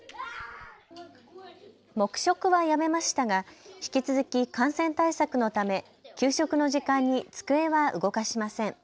黙食はやめましたが引き続き感染対策のため給食の時間に机は動かしません。